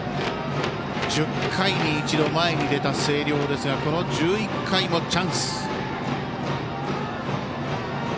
１０回に一度、前に出た星稜ですがこの１１回もチャンス。